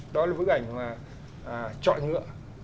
đó là bức ảnh chọi ngựa